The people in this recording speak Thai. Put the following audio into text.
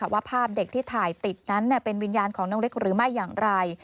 ว่าภาพเด็กที่ถ่ายติดนั้นเป็นวิญญาณของน้องเล็กหรือไม่อย่างไร